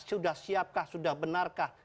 sudah siapkah sudah benarkah